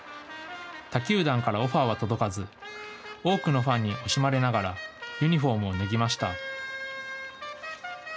他球団からオファーは届かず多くのファンに惜しまれながらユニフォームを脱ぎました。